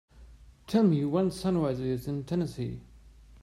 Tell me when sunrise is in Tennessee